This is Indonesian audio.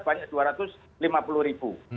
banyak dua ratus lima puluh ribu